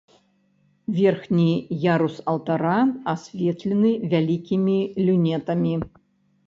Верхні ярус алтара асветлены вялікімі люнетамі.